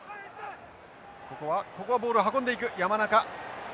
ここはボールを運んでいく山中。